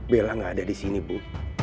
bella gak ada di sini bu